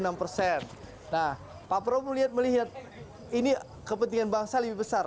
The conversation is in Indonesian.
nah pak prabowo melihat ini kepentingan bangsa lebih besar